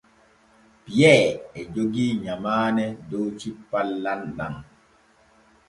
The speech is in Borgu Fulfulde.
Piyee e jogii nyamaane dow cippal lamɗam.